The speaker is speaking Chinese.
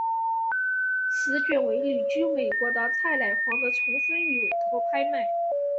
此卷为旅居美国的蔡乃煌的重孙女委托拍卖。